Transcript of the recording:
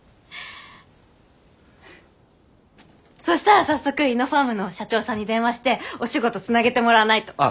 そしたら早速イノファームの社長さんに電話してお仕事つなげてもらわないと。